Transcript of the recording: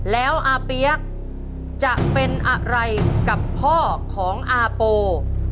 แล้วอาเปี๊ยกจะเป็นอะไรกับพ่อของอาโป